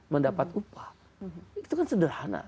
mendapat upah itu kan sederhana